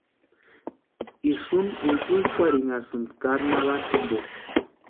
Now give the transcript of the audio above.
Isïmpa intsikurhinhasïnti carnavali jimpo.